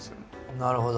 なるほど。